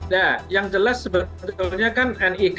nah yang jelas sebenarnya kan nik kita ini kan sudah terkoneksi semua